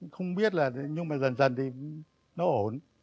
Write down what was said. không biết là nhưng mà dần dần thì nó ổn